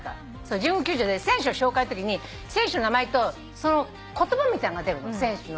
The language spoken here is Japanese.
神宮球場で選手の紹介のときに選手の名前と言葉みたいなのが出るの選手の。